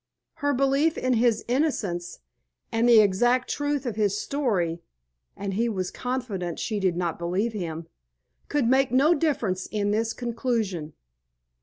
Her belief in his innocence and the exact truth of his story (and he was confident she did believe him) could make no difference in this conclusion.